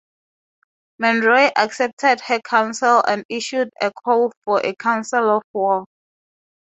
Monroy accepted her counsel and issued a call for a council of war.